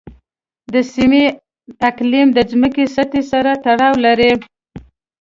د سیمې اقلیم د ځمکې سطحې سره تړاو لري.